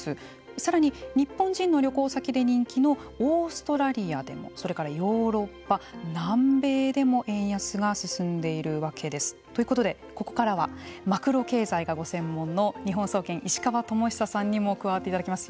さらに日本人の旅行先で人気のオーストラリアでもそれからヨーロッパ、南米でも円安が進んでいるわけです。ということで、ここからはマクロ経済がご専門の日本総研、石川智久さんにも加わっていただきます。